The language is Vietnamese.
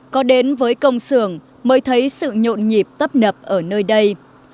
có đến với công sưởng mới thấy sự nhộn nhịp tấp nập ở nơi đây